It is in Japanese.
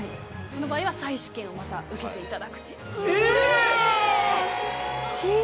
その場合は再試験をまた受けていただく。